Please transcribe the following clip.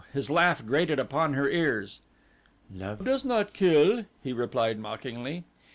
His laugh grated upon her ears. "Love does not kill," he replied mockingly.